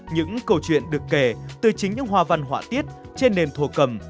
những câu chuyện được kể từ chính những hoa văn họa tiết trên nền thổ cầm